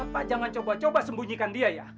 pak jangan coba coba sembunyikan dia ya